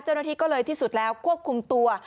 เจ้าหน้าที่ก็เลยที่สุดแล้วควบคุมตัว